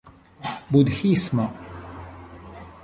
budhismo